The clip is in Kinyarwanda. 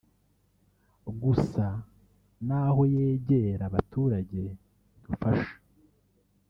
gusa ni aho yegera abaturage idufasha